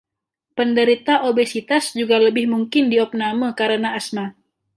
Penderita obesitas juga lebih mungkin diopname karena asma.